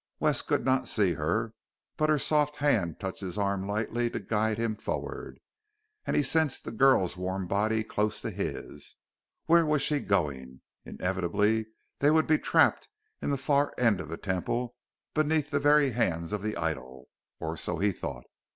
Wes could not see her, but her soft hand touched his arm lightly to guide him forward, and he sensed the girl's warm body close to his. Where was she going? Inevitably they would be trapped in the far end of the Temple, beneath the very hands of the idol or so he thought.